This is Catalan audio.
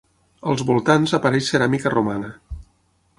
Als voltants apareix ceràmica romana.